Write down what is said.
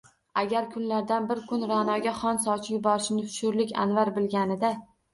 Agar kunlardan bir kun Ra’noga xon sovchi yuborishini sho’rlik Anvar bilganida